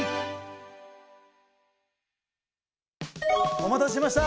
お待たせしました！